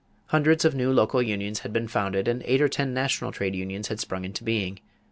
Hundreds of new local unions had been founded and eight or ten national trade unions had sprung into being.